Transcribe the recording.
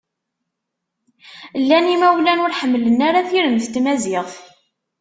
Llan imawlan ur ḥemmlen ara tiremt n tmaziɣt.